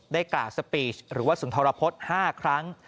ได้กล่าวสปีชหรือว่าสุนทรพฤษ๕ครั้ง